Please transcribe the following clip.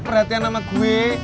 perhatian sama gue